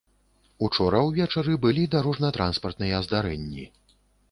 Учора ўвечары былі дарожна-транспартныя здарэнні.